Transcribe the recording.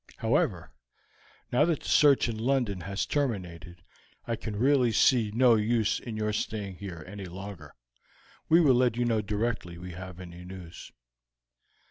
However, now that the search in London has terminated, I can really see no use in your staying here any longer; we will let you know directly we have any news."